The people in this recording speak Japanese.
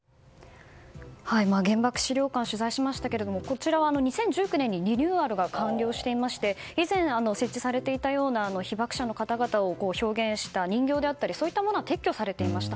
原爆資料館を取材しましたけどこちらは２０１９年にリニューアルが完了していまして以前、設置されていたような被爆者の方々を表現した人形だったりは撤去されていました。